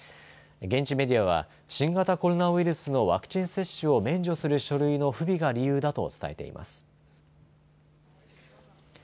現地メディアは新型コロナウイルスのワクチン接種を免除する書類の不備が理由だと伝えています。